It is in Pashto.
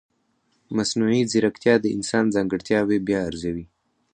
مصنوعي ځیرکتیا د انسان ځانګړتیاوې بیا ارزوي.